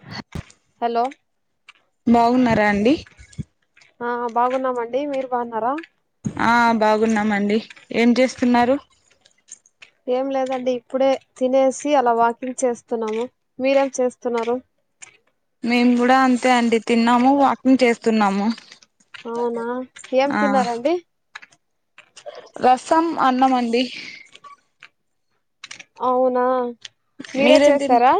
హ. హలో. బాగున్నారా అండి. ఆ బాగున్నామండి మీరు బాగున్నారా. ఆ బాగున్నామండి ఏం చేస్తున్నారు. ఏం లేదండి ఇప్పుడే తినేసి అలా వాకింగ్ చేస్తున్నాను మీరేం చేస్తున్నారు. మేము కూడా అంతే అండి తిన్నాము వాకింగ్ చేస్తున్నాము. అవునా ఏం ఆ తిన్నారండి. రసం అన్నమండి. అవునా. మీరే మీరేం దిన్ చేసారా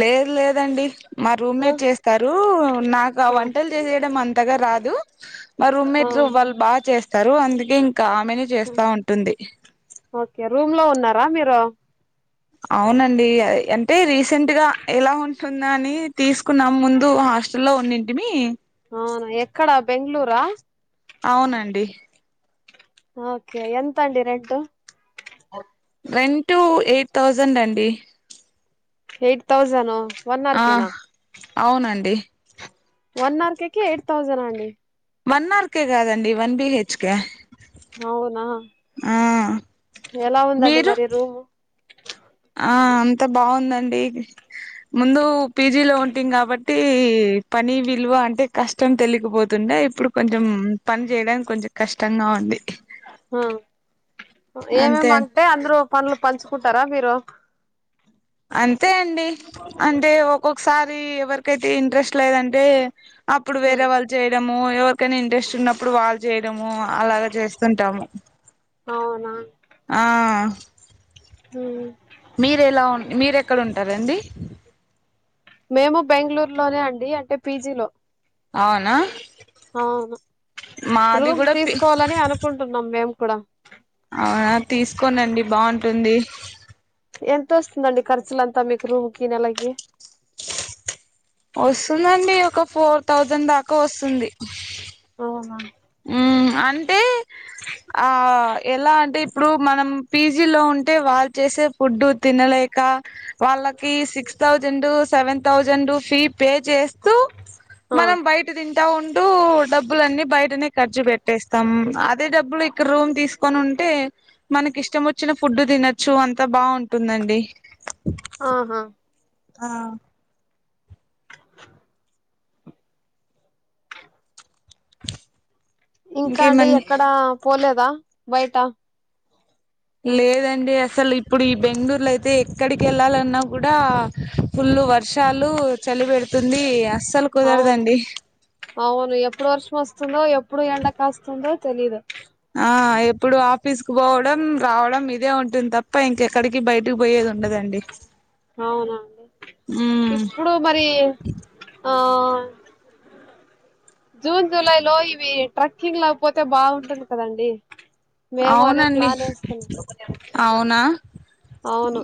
లేదు లేదండి మా రూమ్ ఆ, మెట్ చేస్ త్తరూ నాకు ఆ వంటల్ జేసేయడం అంతగా రాదు మా ఆ. రూమ్మేట్లు వాళ్ళ్ బాగ్ చేస్తారు అందుకే ఇంక ఆమెనే జేస్తా ఉంటుంది ఓకే రూమ్ లో ఉన్నార మీరు అవునండి అంటే రీసెంట్ గా ఎలా ఉంటుందో అని తీస్ కున్నం ముందు హాస్టల్లో ఉన్నింటిమీ అవున ఎక్కడ బెంగ్ళూర అవునండి ఓకే ఎంతండి రెంటు రెంటూ ఎయిట్ థౌజెండండి ఎయిట్ థౌజెను ఆ అవునండి వన్ ఆర్కేకే ఎయిట్ థౌజనా అండి వన్ అర్ కే గాదండి వన్ బిహెచ్ కె అవునా ఎలా ఉందండి మీరు మరి రూము ఆ అంత బావుదండి ముందూ పీజీ లో ఉంటిం గాబట్టి పని విలువ అంటే కస్ ష్టం తెలికపోతుండే ఇప్పుడు కొంచం పన్ జేయ్డానిక్ కొంచం కష్టంగా ఉంది హా అంతే ఏమేమంటే అంద్రూ పండ్లు పంచుకుంటారా మీరు అంతే అండి అంటే ఒక్కొక్క్సారి ఎవరికైతే ఇంట్రెస్ట్ లేదంటే అప్పుడు హ్మ్ వేరే వాళ్ళ్ జేయడము ఎవరికైనా ఇంట్రెస్టున్నప్పుడు వాళ్ళ్ జేయడము అలాగ జేస్తుంటాము అవ్ నా ఆ తూ మీరెలా ఉన్ మీరెక్కడుంటారండి మేము బెంగ్ళూర్ లోనే అండి అంటే పీజిలో అవ్ నా అవ్ నా రూమ్ కూడా పి తీస్కోవాలనే అనుకుంటున్నాం మేమ్ కూడ అవునా తీస్కోనండి బాంటుంది ఎంతొస్తుందండి ఖర్చులంతా మీకు రూమ్ కి నెలకి వస్తుందండి ఒక ఫోర్ థౌజెండ్ దాక వొస్తుంది ఓ హా ఊ అంటే ఆ ఎలా అంటే ఇప్ప్డు మనం పీజీలో ఉంటే వాళ్ళ్ చేసే ఫుడ్డు తినలేక వాళ్ళకి six thousand seven thousand fee pay జేస్తూ ఆ మనం బయట దింటా ఉంటూ డబ్బులన్నీ బయటనే ఖర్చు బెట్టేస్తాం అదే డబ్బులు ఇక్కడ రూమ్ తీస్కొనుంటే మనకి ఇష్టమొచ్చిన ఫుడ్డు దినచ్చు అంతా బావుంటుందండి ఆహా ఆ ఇంకా అండి ఇంకేమండి ఎక్కడా పోలేదా బైట లేదండి అసలు ఇప్పుడు ఈ బెంగ్ళూర్లో అయితే ఎక్కడికెళ్ళాలన్నా గుడా ఫుల్లు వర్షాలు చలి పెడుతుంది అస్సలు అవును కుదరదండి అవును ఎప్పుడు వర్షం వస్తుందో ఎప్పుడు ఎండ కాస్తుందో తెలీదు ఆ ఎప్పుడు ఆఫీస్ కు పోవడం రావడం ఇదే ఉంటుంది తప్ప ఇంకెక్కడికి బయటకి పోయేది ఉండదండి అవున ఉమ్ ఇప్పుడు మరి ఆ జూన్ జులై లో ఇవి ట్రెక్కింగ్ లో పోతే బాగుంటుంది కదండి మేము అదే అవునండి ప్లాన్ వేస్తున్నాం అవునా అవును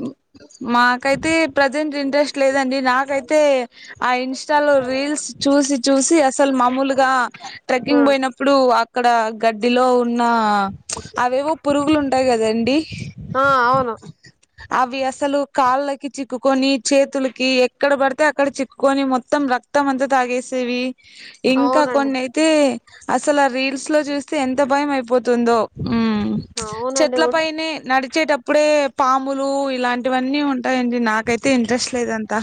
మాకైతే ప్రజెంట్ ఇంట్రెస్ట్ లేదండి నాకైతే ఆ ఇన్స్టాలో రీల్స్ చూసి చూసి అసలు మామూలుగా ఆ ట్రెక్కింగ్ పోయినప్పుడు అక్కడ గడ్డిలో ఉన్న అవేవో పురుగులు ఉంటాయి కదండి ఆ అవును అవి అసలు కాళ్ళకి చిక్కుకొని చేతులకి ఎక్కడ పడితే అక్కడ చిక్కుకొని మొత్తం రక్తం అంత తాగేస్తేవి ఇంకా అవునండి కొన్ని అయితే అసలు ఆ రీల్స్ లో చూస్తే ఎంత భయం అయిపోతుందో ఉ అవునండి చెట్ల ఉ పైనే నడిచేటప్పుడే పాములు ఇలాంటివన్నీ ఉంటాయండి నాకైతే ఇంట్రెస్ట్ లేదంతా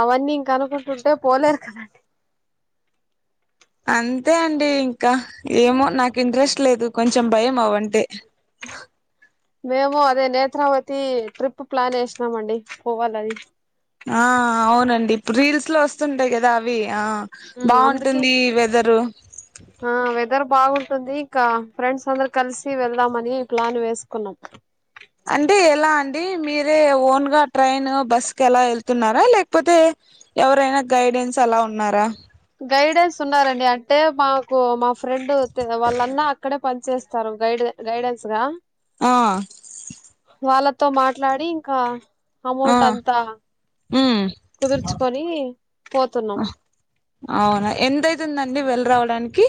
అవన్నీ ఇంక అన్నుకుంటుంటే పోలేరు కదండీ అంతే అండి ఇంకా ఏమో నాకు ఇంట్రెస్ట్ లేదు కొంచెం భయం అవ్వంటే మేము అదే నేత్రవతి ట్రిప్ ప్లాన్ చేసినామ అండి పోవాలలే అది ఆ అవునండి ఇప్పుడు రీల్స్ లో వస్తుంటాయి కదా అవి ఆ ఉమ్ అందుకే బాగుంటుంది వెదరు ఆ వెదర్ బాగుంటుంది ఇంకా ఫ్రెండ్స్ అందరు కలిసి వెళ్దామని ప్లాన్ వేసుకున్నాం అంటే ఎలా అండి మీరే ఓన్ గా ట్రైన్ బస్ అలా వెళ్తున్నారా లేకపోతే ఎవరైనా గైడెన్స్ అలా ఉన్నారా గైడెన్స్ ఉన్నారండి అంటే మాకు మా ఫ్రెండ్ తె వాళ్ళ అన్న ఇక్కడ పని చేస్తారు గైడె గైడెన్స్ గా ఆ వాళ్ళతో మాట్లాడి ఇంకా అమౌంట్ అంతా ఉ కుదుర్చుకొని పోతున్నాం అవునా ఎంతైతుందండి వెళ్లి రావడానికి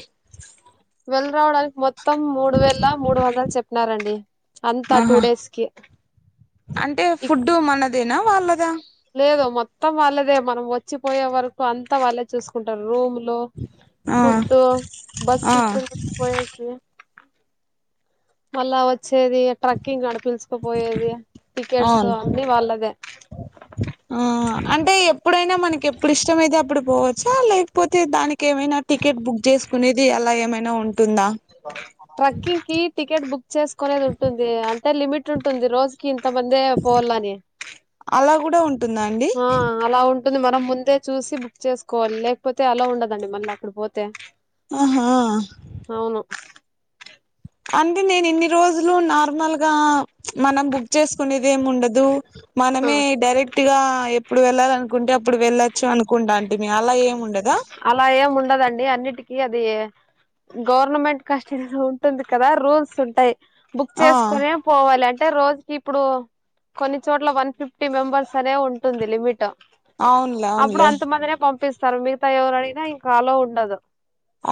వెళ్ళి రావడానికి మొత్తం మూడు వేల మూడు వందాలు చెప్పినారండి. అంతా టూ ఆహా డేస్ కి అంటే ఫుడ్ మనదేనా వాళ్ళదా లేదు మొత్తం వాళ్ళదే మనం వచ్చిపోయే వరకు అంత వాళ్ళ చేసుకుంటారు రూమ్ లో ఆ ఫుడ్ బస్సు ఆ ఎక్కడికి పోయేది మళ్ళా వచ్చేది ట్రెక్కింగ్ ఆడ పలుసుకుపోయేది టికెట్స్ అవును అన్ని వాళ్ళదే ఆ ఆ అంటే ఎప్పుడైనా మనకి ఎప్పుడు ఇష్టం అతే అప్పుడు పోవచ్చా లేకపోతే దానికి ఏమైనా టికెట్ బుక్ చేసుకునేది అలా ఏమైనా ఉంటుందా ట్రెక్కింగ్ కి టికెట్ బుక్ చేసుకునేది ఉంటుంది అంటే లిమిట్ ఉంటుంది రోజు ఇంత మంది పోవాలని అలా కూడా ఉంటుందా అండి ఆ అలా ఉంటుంది మనం ముందే చూసి బుక్ చేసుకోవాలి లేకపోతే అలా ఉండదండి మళ్ళీ అక్కడ పోతే ఆహా అవును అంటే నేను ఇన్ని రోజులు నార్మల్గా మనం బుక్ చేసుకునేది ఏమి ఉండదు మనమే డైరెక్ట్ గా ఎప్పుడు వెళ్ళాలనుకుంటే అప్పుడు వెళ్లొచ్చు అనుకుంటాంటిమి అంటే అలా ఏమి ఉండద్ గా అలా ఏం ఉండదండి అన్నిటికీ అది గవర్నమెంట్ కస్టడీ లో ఉంటుంది కదా రూల్స్ ఉంటాయ్ బుక్ ఆ చేస్కొనే పోవాలి అంటే రోజుకి ఇప్పుడు కొన్ని చోట్ల వన్ ఫిఫ్టీ మెంబర్స్ అనే ఉంటుంది లిమిట్ అవునులే అప్పుడు అవునులే అంతమందినే పంపిస్తారు మిగతా ఎవరైనా ఇంక అలో ఉండదు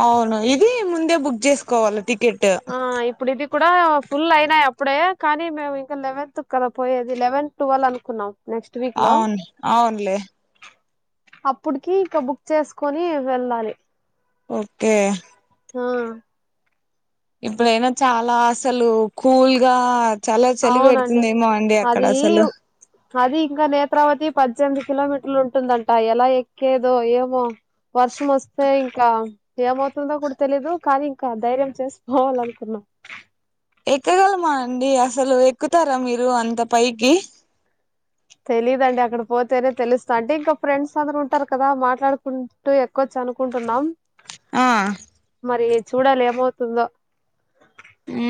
అవును ఇది ముందే బుక్ చేసుకోవాలి టికెట్ ఆ ఇప్పుడు ఇది కూడా ఫుల్ అయినాయి అప్పుడే కానీ మేము ఇంకా లెవెన్త్ కదా పోయేది లెవెన్ టువల్ అనుకున్నాం నెక్స్ట్ వీక్ లో అవును అవునులే అప్పుడికి ఇంక బుక్ చేసుకొని వెళ్ళాలి ఓక్కే ఆ ఇప్పుడైనా చాలా అసలు కూల్గా చాలా చలి అవునండి పెడుతుందిమో అండి అక్కడ అది అసలు అది ఇంకా నేత్రవతి పజ్జెనిమిది కిలోమీటర్లు ఉంటుందంట ఎలా ఎక్కేదో ఏమో వర్షం వస్తే ఇంకా ఏమవుతుందో కూడా తెలీదు కానీ ఇంకా ధైర్యం చేసి పోవాల్ల అనుకున్నాం ఎక్కగలమా అండి అసలు ఎక్కుతారా మీరు అంత పైకి తెలీదండి అక్కడ పోతేనే తెలుస్తా అంటే ఇంకా ఫ్రెండ్స్ అందరూ ఉంటారు కదా మాట్లాడుకుం అటు ఎక్కోచ్చు అనుకుంటున్నాం ఆ మరి చూడాలి ఏమవుతుందో ఊ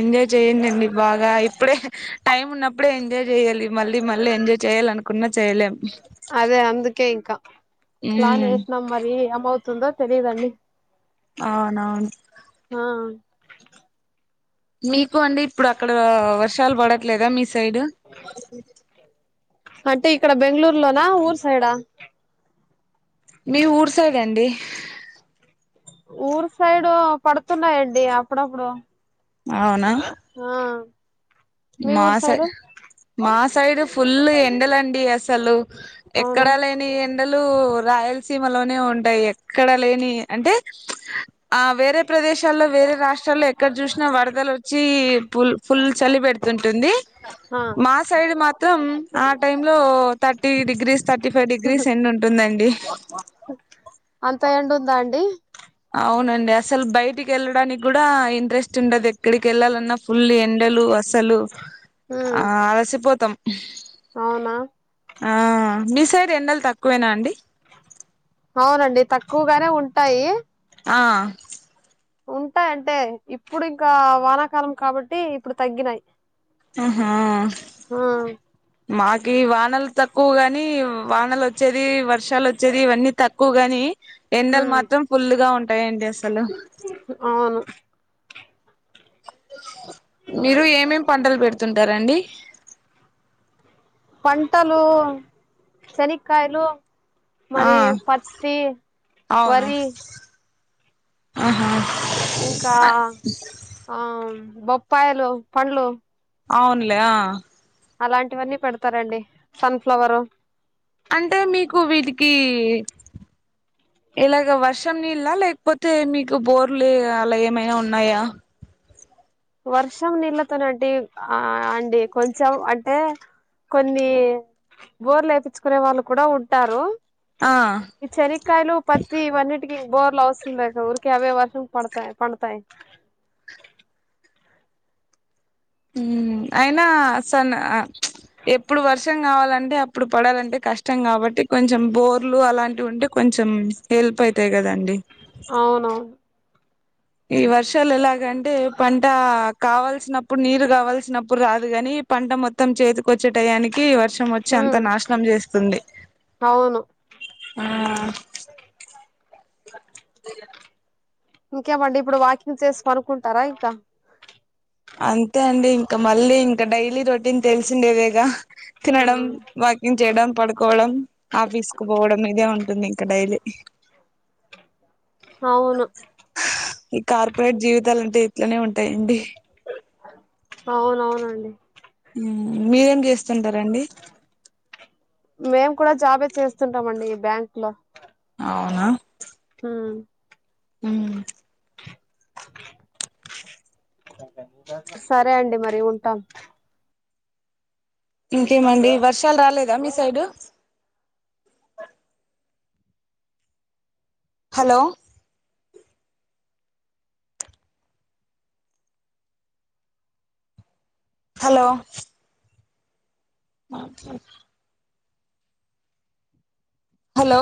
ఎంజాయ్ చెయ్యండండి బాగా ఇప్పుడే టైమ్ ఉన్నప్పుడే ఎంజాయ్ చేయ్యాలి మళ్ళీ మళ్ళీ ఎంజాయ్ చేయ్యాలను కున్నా చైలేం అదే అందుకే ఇంకా ప్లాన్ ఉమ్ వేసినాం మరి ఏమవుతుందో తెలీదండి అవునవును ఆ మీకు అండి ఇప్పుడు అక్కడ వర్షాలు పడట్లేదా మీ సైడ్ అంటే ఇక్కడ బెంగళూరులోనా ఊరు సైడా? మీ ఊరు సైడ్ అండి ఊరు సైడు పడుతున్నాయండి అప్పుడప్పుడు అవునా? ఆ మీ మా ఊరు సై సైడు మా సైడ్ ఫుల్ ఎండలండి అసలు ఎక్కడ అవునా లేని ఎండలు రాయలసీమలోనే ఉంటాయి ఎక్కడ లేని అంటే ఆ వేరే ప్రదేశాల్లో వేరే రాష్ట్రాల్లో ఎక్కడ చూసినా వరదలు వచ్చి పుల్ ఫుల్ చలిపె తుంటుంది ఆ మా సైడ్ మాత్రం ఆ టైంలో thirty degrees thirty five degrees ఎండ ఉంటుందండి ఓ అంత ఎండూమ్దా అండి అవునండి అసల్ బయటికెళ్ళడానిక్కూడా ఇంట్రెస్ట్ ఉండదేక్కడికి వెళ్ళాలన్నా ఫుల్ ఎండలు అస్ అసలు ఉమ్ ఆ అలసిపోతాం అవునా ఆ మీ సైడ్ ఎండల్ తక్కువేనా అండి అవునండి తక్కువ్ గానే ఉంటాయి ఆ ఉంటాయంటే ఇప్పుడు ఇంకా వానాకాలం కాబట్టి ఇప్పుడు తగ్గినాయి ఆహా ఊ మాకి వానల్ తక్కువ గాని వానలొచ్చేది వర్షాలొచ్చేది ఇవన్నీ తక్ క్కువగాని ఎండల్ ఉమ్ మాత్రం ఫుల్ గా ఉంటాయండి అసలు అవును మీరు ఏమేం పంటలు పెడుతుంటారండి పంటలు సేనిక్కాయలు ఆ మరి పత్తి అవును వరి ఆహా ఇంకా ఆ ఆ బొప్పాయిలు పండ్లు అవున్ లే ఆ అలాంటివన్నీ పెడతారండి సన్ఫ్లవర్ అంటే మీకు వీటికి ఇలాగ వర్షం నీళ్ళ లేక్ పోతే మీకు బోర్లు అలా ఏమైనా ఉన్నాయా వర్షం నీళ్ళతోనడి ఆ అండి కొంచెం అంటే కొన్ని బోర్లేపిచ్చుకునే వాళ్ళు కూడా ఉంటారు ఆ ఈ శనక్కయలు పత్తి ఇవన్నిటికిీ బోర్ల అవసరం లేక ఊరికే అవే వర్షం పడతాయి పండతాయి హూ అయినా అసన్ అ ఎప్పుడు వర్షం కావాలంటే ఇప్పుడు పడాలంటే కష్టం కాబట్టి కొంచెం బోర్లు అలాంటి ఉంటే కొంచెం హెల్ప్ అయితాయి కదండి అవును ఈ వర్షాలెలాగంటే పంట కావాల్సినప్పుడు నీరు కావాల్సినప్పుడు రాదు గాని పంట మొత్తం చేతికొచ్చేటయానికి వర్షం వచ్చి అంత హ్మ్ నాశనం చేస్తుంది అవును ఆ జెయ్యా ఇంకేమండి ఇప్పుడు వాకింగ్ చేసి పనుకుంటారా ఇంకా అంతే అండి ఇంక మళ్ళీ ఇంకా డైలీ రొటీన్ తెలిసిండేవేగా ఆ తినడం వాక్ కింగ్ చేయడం పడుకోవడం ఆఫీస్ కు పోవడం ఇదే ఉంటుంది ఇంకా డైలీ అవును ఈ కార్పొరేట్ జీవితాలంటే ఇట్లనే ఉంటాయండి అవునవునండి హూ మీరేం చేస్తుంటారండి మేం కూడా జాబే చేస్తుంటామండి బ్యాంక్ లో అవునా హు ఊ సరే అండి మరి ఉంటాం ఇంకేమండి వర్షాలు రాలేదా మీ సైడు హలో హలో మాట్లాడు హలో